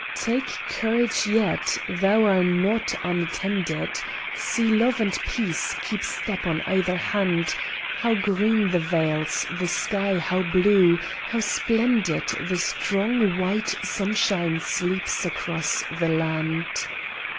Take courage yet; thou are not unattended: See Love and Peace keep step on either hand. How green the vales! The sky how blue! How splendid The strong white sunshine sleeps across the land!